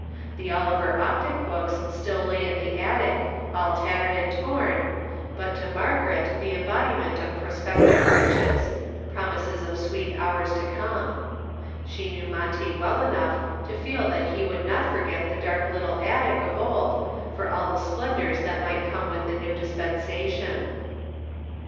The Oliver Optic books still lay in the attic, all tattered and torn, but to Margaret the embodiment of prospective riches, promises of sweet hours to come. She knew Monty well enough to feel that he would not forget the dark little attic of old for all the splendors that might come with the new dispensation.